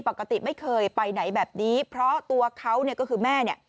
ปกติไม่เคยไปไหนแบบนี้เพราะตัวเขาเนี่ยก็คือแม่เนี่ย